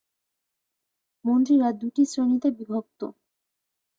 মন্ত্রীরা দুটি শ্রেণিতে বিভক্ত।